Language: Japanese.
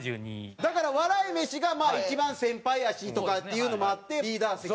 だから笑い飯が一番先輩やしとかっていうのもあってリーダー席。